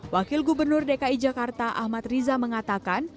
wakil gubernur dki jakarta ahmad riza mengatakan